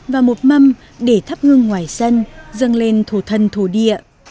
và một mâm để thắp ngưng ngoài sân dâng lên thổ thân thổ địa